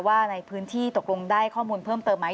ว่าในพื้นที่ตกลงได้ข้อมูลเพิ่มเติมไหม